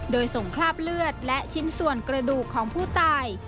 โดยส่งคราบเลือดและชิ้นส่วนกระดูกของผู้ตาย